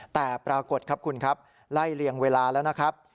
แต่ปรากฏครับคุณครับไล่เลี่ยงเวลาแล้วนะครับ